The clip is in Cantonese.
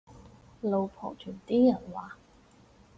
老婆團啲人話